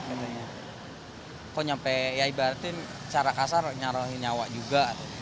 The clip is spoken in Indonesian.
kok nyampe ya ibaratin secara kasar nyarohi nyawa juga